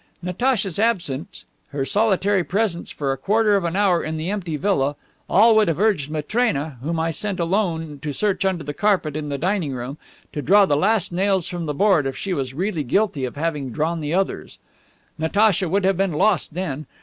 Natacha's absence, her solitary presence for a quarter of an hour in the empty villa, all would have urged Matrena, whom I sent alone to search under the carpet in the dining room, to draw the last nails from the board if she was really guilty of having drawn the others. Natacha would have been lost then!